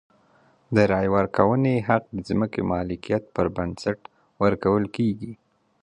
د رایې ورکونې حق د ځمکې مالکیت پر بنسټ ورکول کېده.